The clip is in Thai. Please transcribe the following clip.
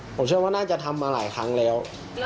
ผมเชื่อว่าน่าจะทำมาหลายครั้งแล้ว